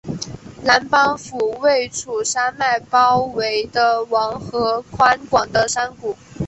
南邦府位处山脉包围的王河宽广的山谷。